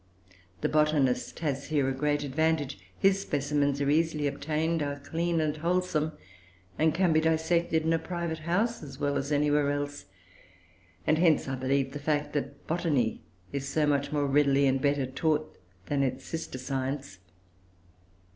The botanist has here a great advantage; his specimens are easily obtained, are clean and wholesome, and can be dissected in a private house as well as anywhere else; and hence, I believe, the fact, that botany is so much more readily and better taught than its sister science.